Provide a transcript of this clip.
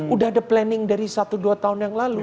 udah ada planning dari satu dua tahun yang lalu